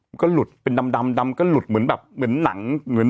มันก็หลุดเป็นดำดำก็หลุดเหมือนแบบเหมือนหนังเหมือน